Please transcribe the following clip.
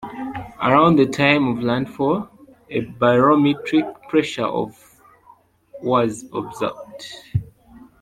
Around the time of landfall, a barometric pressure of was observed.